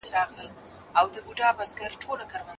ليکوال بايد احتياط وکړي.